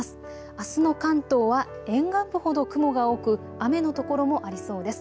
あすの関東は沿岸部ほど雲が多く雨の所もありそうです。